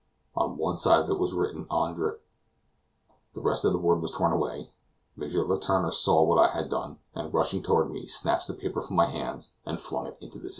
On one side of it was written Andr ; the rest of the word was torn away. M. Letourneur saw what I had done, and, rushing toward me, snatched the paper from my hands, and flung it into the sea.